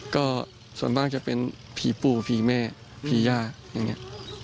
ก็ส่วนมากจะเป็นผีปู่ผีแม่ผีย่าอย่างนี้